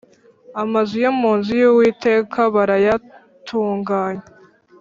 Amazu yo mu nzu y uwiteka barayatunganya